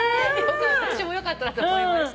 私もよかったなと思いました。